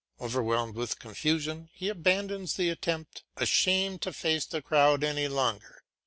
Overwhelmed with confusion he abandons the attempt, ashamed to face the crowd any longer.